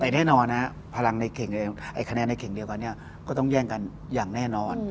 แน่นอนครับคะแนนในเหรียญเดียวกันนี้ก็ต้องแย่งกันอย่างแน่นอน